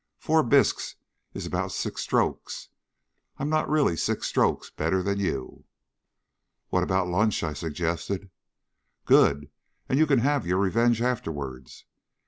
Four bisques is about six strokes; I'm not really six strokes better than you." "What about lunch?" I suggested. "Good; and you can have your revenge afterwards."